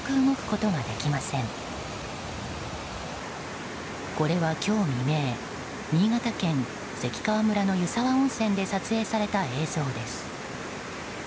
これは今日未明新潟県関川村の湯沢温泉で撮影された映像です。